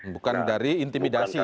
bukan dari intimidasi